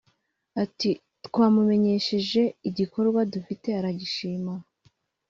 Ati “Twamumenyesheje igikorwa dufite aragishima